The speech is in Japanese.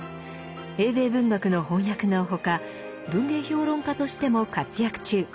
英米文学の翻訳の他文芸評論家としても活躍中。